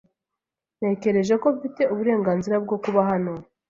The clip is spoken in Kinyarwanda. Natekereje ko mfite uburenganzira bwo kuba hano.